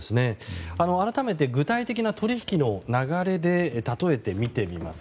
改めて具体的な取引の流れでたとえてみてみます。